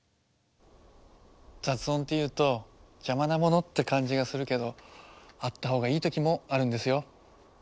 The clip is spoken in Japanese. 雑音っていうと邪魔なものって感じがするけどあったほうがいい時もあるんですよ。